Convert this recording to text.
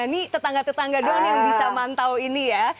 ini tetangga tetangga doang yang bisa mantau ini ya